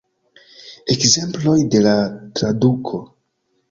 Ekzemploj de la traduko.